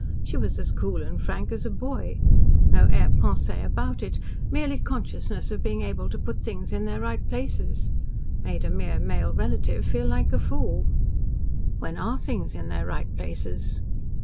She was as cool and frank as a boy. No air pince about it merely consciousness of being able to put things in their right places. Made a mere male relative feel like a fool." "When ARE things in their right places?"